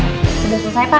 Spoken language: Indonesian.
ya sudah selesai pak